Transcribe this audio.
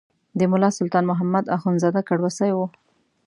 د ملا سلطان محمد اخندزاده کړوسی و.